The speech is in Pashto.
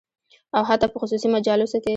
او حتی په خصوصي مجالسو کې